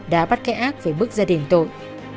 đã bắt cái ác về bức gia đình tội